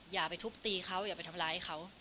อย่าไปทุบตีเขาอย่าไปทำร้ายเขา